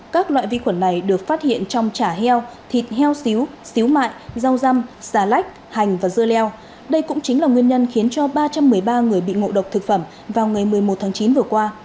các loại vi khuẩn này được phát hiện trong chả heo thịt heo xíu xíu mại rau răm xà lách hành và dưa leo đây cũng chính là nguyên nhân khiến cho ba trăm một mươi ba người bị ngộ độc thực phẩm vào ngày một mươi một tháng chín vừa qua